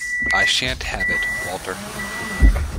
'I shan’t have it', Walter.